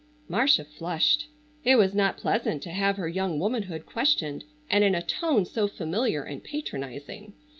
Marcia flushed. It was not pleasant to have her young womanhood questioned, and in a tone so familiar and patronizing.